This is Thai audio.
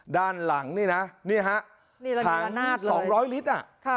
ด้านหลังนี่นะนี่ฮะถาง๒๐๐ลิตร